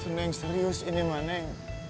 neng serius ini mah neng